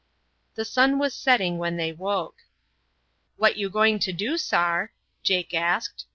The sun was setting when they woke. "What you going to do, sar?" Jake asked.